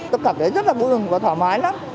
tôi cảm thấy rất là vui mừng và thoải mái lắm